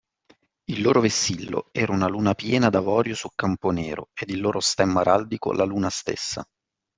Il loro vessillo era una luna piena d’avorio su campo nero, ed il loro stemma araldico la luna stessa